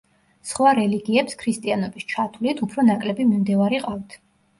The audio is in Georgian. სხვა რელიგიებს, ქრისტიანობის ჩათვლით, უფრო ნაკლები მიმდევარი ყავთ.